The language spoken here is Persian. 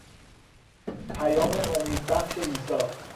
پیام امیدبخش عیسی